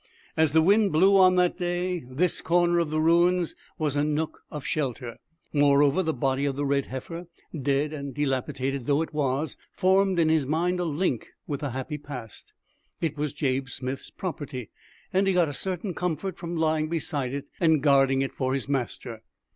As the wind blew on that day, this corner of the ruins was a nook of shelter. Moreover, the body of the red heifer, dead and dilapidated though it was, formed in his mind a link with the happy past. It was Jabe Smith's property, and he got a certain comfort from lying beside it and guarding it for his master.